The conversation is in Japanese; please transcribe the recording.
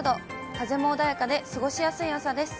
風も穏やかで過ごしやすい朝です。